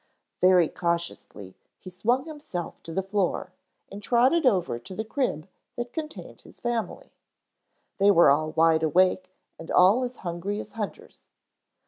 Very cautiously he swung himself to the floor and trotted over to the crib that contained his family. They were all wide awake and all as hungry as hunters.